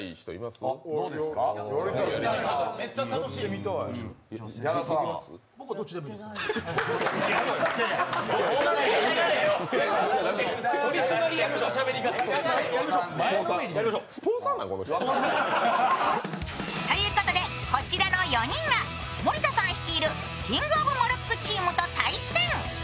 未成年いますから。ということでこちらの４人が森田さん率いるキングオブモルックチームと対戦。